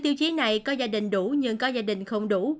tiêu chí này có gia đình đủ nhưng có gia đình không đủ